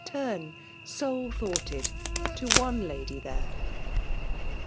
turn, svlo thoughtid, <o one lady there.